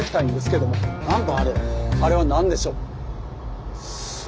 あれは何でしょう？